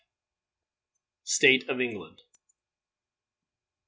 STATE OF ENGLAND.